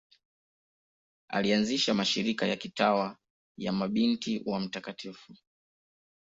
Alianzisha mashirika ya kitawa ya Mabinti wa Mt.